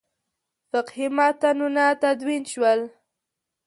فقهي متنونه تدوین شول.